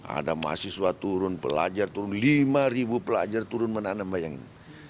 ada mahasiswa turun pelajar turun lima ribu pelajar turun menanam bayangin